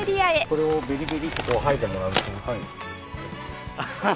これをビリビリっとこう剥いでもらうと。